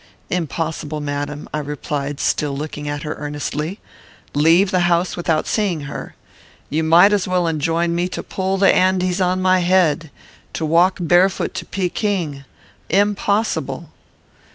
"Impossible, madam," I replied, still looking at her earnestly; "leave the house without seeing her! You might as well enjoin me to pull the Andes on my head! to walk barefoot to Pekin! Impossible!"